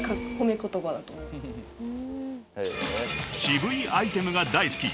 ［渋いアイテムが大好き］